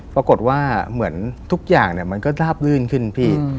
ปรากฏว่าเหมือนทุกอย่างเนี่ยมันก็ดาบลื่นขึ้นพี่